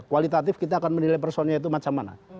kualitatif kita akan menilai personnya itu macam mana